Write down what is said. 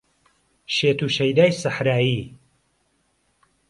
شێت و شەیدای سەحرایی